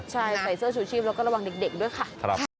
ใช่ใส่เสื้อชูชีพแล้วก็ระวังเด็กด้วยค่ะ